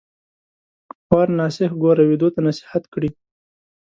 خوار ناصح ګوره ويدو تـــه نصيحت کړي